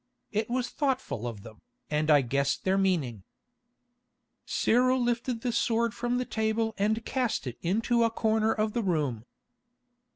It was thoughtful of them, and I guessed their meaning." Cyril lifted the sword from the table and cast it into a corner of the room.